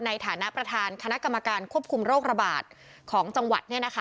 ในฐานะประธานคณะกรรมการควบคุมโรคระบาดของจังหวัด